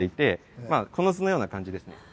まあこの図のような感じですね。